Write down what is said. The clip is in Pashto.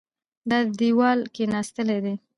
دا دېوال کېناستلی دی.